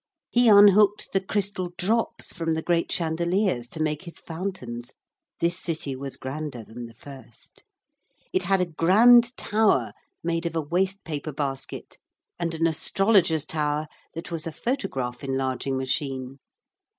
He unhooked the crystal drops from the great chandeliers to make his fountains. This city was grander than the first. It had a grand tower made of a waste paper basket and an astrologer's tower that was a photograph enlarging machine.